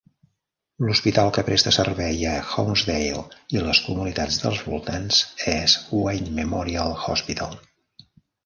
L'hospital que presta servei a Honesdale i les comunitats dels voltants és Wayne Memorial Hospital.